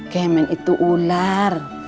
kemet itu ular